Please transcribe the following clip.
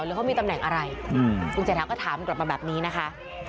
หรือเขามีตำแหน่งอะไรคุณเศรษฐาก็ถามกลับมาแบบนี้นะคะ